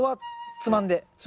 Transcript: つまんで。